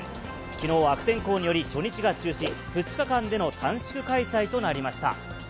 きのう悪天候により、初日が中止、２日間での短縮開催となりました。